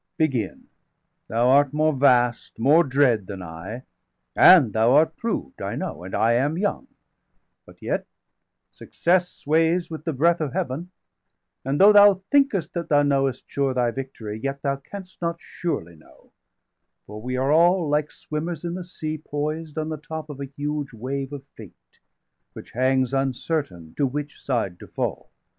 Begin! thou art more vast, more dread than I, 385 And thou art proved, I know, and I am young But yet success sways with the breath of Heaven. And though thou thinkest that thou knowest sure Thy victory, yet thou canst not surely know. For we are all, like swimmers in the sea, 390 Poised on the top of a huge wave of fate, Which hangs uncertain to which side to fall.